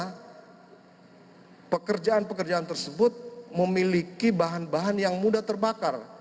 karena pekerjaan pekerjaan tersebut memiliki bahan bahan yang mudah terbakar